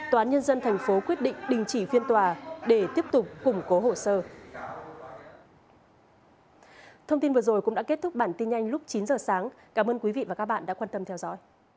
tòa án nhân dân thành phố quyết định đình chỉ phiên tòa để tiếp tục củng cố hồ sơ